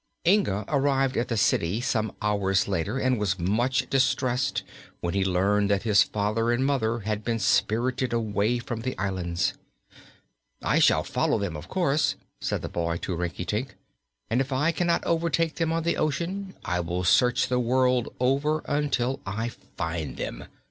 Inga arrived at the city some hours later and was much distressed when he learned that his father and mother had been spirited away from the islands. "I shall follow them, of course," said the boy to Rinkitink, "and if I cannot overtake them on the ocean I will search the world over until I find them.